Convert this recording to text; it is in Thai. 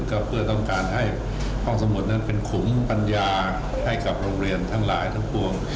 ก็เพื่อต้องการให้ห้องสมุทรนั้นเป็นขุมปัญญาให้กับโรงเรียนทั้งหลายทั้งปวง